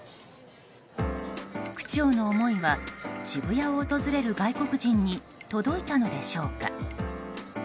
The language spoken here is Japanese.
区長の思いは、渋谷を訪れる外国人に届いたのでしょうか。